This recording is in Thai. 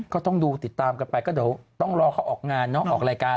ก็ต้องดูติดตามกันไปก็เดี๋ยวต้องรอเขาออกงานเนาะออกรายการ